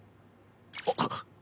あっ。